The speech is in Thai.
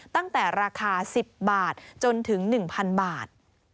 ตั้งแต่ราคา๑๐บาทจนถึง๑๐๐๐บาท